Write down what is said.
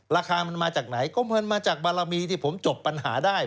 ราคามันมาจากไหนก็เงินมาจากบารมีที่ผมจบปัญหาได้